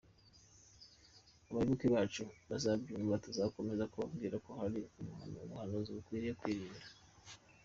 Abayoboke bacu bazabyumva tuzakomeza kubabwira ko hari ubuhanuzi bakwiriye kwirinda.